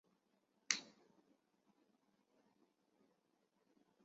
阿考昂是巴西皮奥伊州的一个市镇。